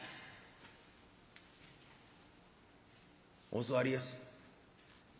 「お座りやす。